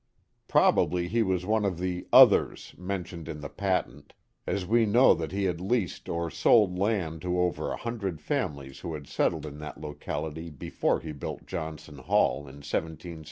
Probably he was one of the " others " mentioned in the patent, as we known that he had leased or sold land to over a hundred families who had settled in that locality before he built John son Hall in i?